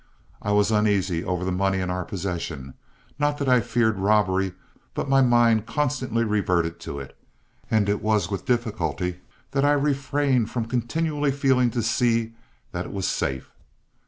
I was uneasy over the money in our possession; not that I feared robbery, but my mind constantly reverted to it, and it was with difficulty that I refrained from continually feeling to see that it was safe.